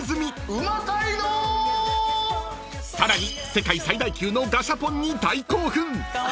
［さらに世界最大級のガシャポンに大興奮］